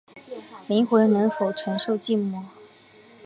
灵魂能否承受寂寞